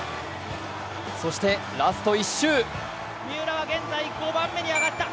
そしてラスト１周。